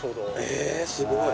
ええすごい。